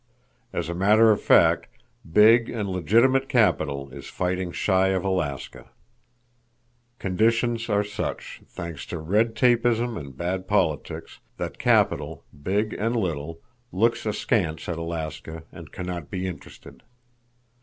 "As a matter of fact, big and legitimate capital is fighting shy of Alaska. Conditions are such, thanks to red tapeism and bad politics, that capital, big and little, looks askance at Alaska and cannot be interested.